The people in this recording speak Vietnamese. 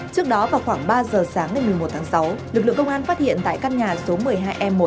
trước đó vào khoảng ba giờ sáng ngày một mươi một tháng sáu lực lượng công an phát hiện tại căn nhà số một mươi hai e một